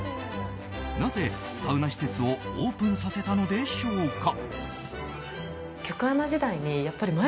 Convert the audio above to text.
なぜ、サウナ施設をオープンさせたのでしょうか。